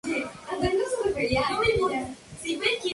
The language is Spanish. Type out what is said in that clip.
Puede abrir su boca como expresión de amenaza.